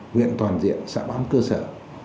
nguyện toàn diện xã bán cơ sở